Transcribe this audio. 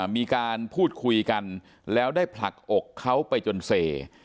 มีการพูดคุยกันแล้วได้ผลักอกเขาไปจนเส